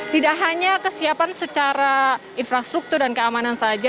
tidak hanya kesiapan secara infrastruktur dan keamanan saja